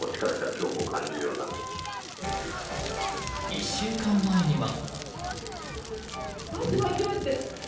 １週間前には。